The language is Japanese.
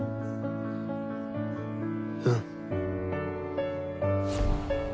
うん。